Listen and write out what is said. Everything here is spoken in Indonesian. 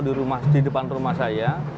tentang orang orang yang memantau